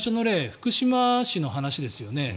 福島市の話ですよね。